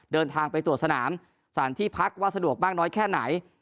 เดินทางไปตรวจสนามสารที่พักว่าสะดวกมากน้อยแค่ไหน